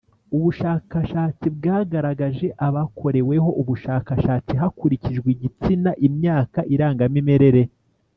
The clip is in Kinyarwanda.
Ubushakashatsi bwagaragaje abakoreweho ubushakashatsi hakurikijwe igitsina imyaka irangamimerere